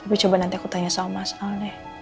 tapi coba nanti aku tanya soal masal deh